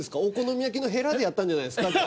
お好み焼きのヘラでやったんじゃないですか？